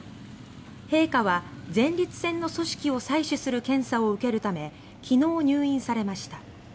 陛下は、前立腺の組織を採取する検査を受けるため昨日、入院されました。